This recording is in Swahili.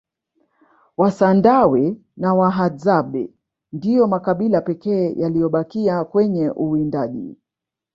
wasandawe na wahadzabe ndiyo makabila pekee yaliyobakia kwenye uwindaji